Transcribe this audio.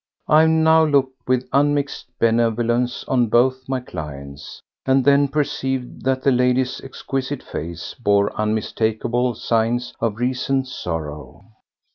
I now looked with unmixed benevolence on both my clients, and then perceived that the lady's exquisite face bore unmistakable signs of recent sorrow.